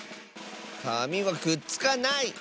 かみはくっつかない！